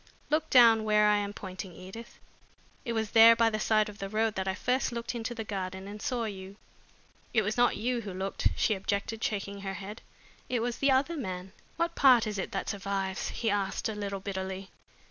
Look down where I am pointing, Edith. It was there by the side of the road that I first looked into the garden and saw you." "It was not you who looked," she objected, shaking her head. "It was the other man." "What part is it that survives?" he asked, a little bitterly.